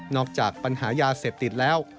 จากปัญหายาเสพติดแล้ว